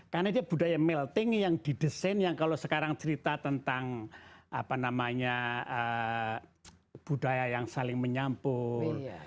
karena itu budaya melting yang didesain yang kalau sekarang cerita tentang apa namanya budaya yang saling menyampul